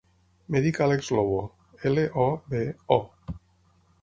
Em dic Àlex Lobo: ela, o, be, o.